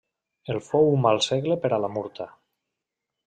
El fou un mal segle per a la Murta.